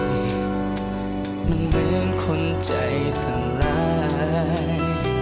เหมือนคนใจสลาย